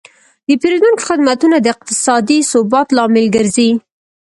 د پیرودونکو خدمتونه د اقتصادي ثبات لامل ګرځي.